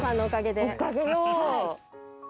おかげよ。